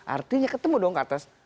artinya ketemu dong ke atas